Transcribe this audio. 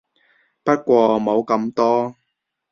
不過冇咁多